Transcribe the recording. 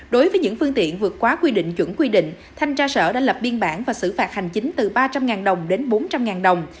đối với những phương tiện vượt quá quy định chuẩn quy định thanh tra sở đã lập biên bản và xử phạt hành chính từ ba trăm linh đồng đến bốn trăm linh đồng